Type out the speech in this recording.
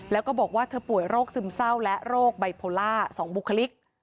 แล้วก็บอกว่าเธอป่วยโรคซึมเศร้าและโรคไบโพล่า๒บุคลิก